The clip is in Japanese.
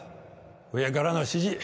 上からの指示